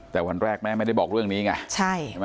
แต่วันแรกแม่ไม่ได้บอกเรื่องนี้ไง